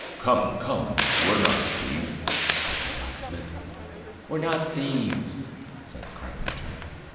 "Come, come, we're not thieves," said the blacksmith. "We're not thieves," said the carpenter.